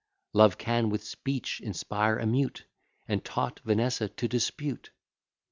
Love can with speech inspire a mute, And taught Vanessa to dispute.